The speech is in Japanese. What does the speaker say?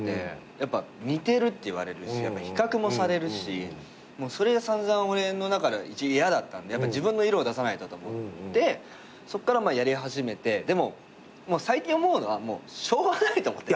やっぱ似てるって言われるし比較もされるしそれが散々俺の中では嫌だったんで自分の色を出さないとと思ってそっからやり始めてでも最近思うのはもうしょうがないと思って。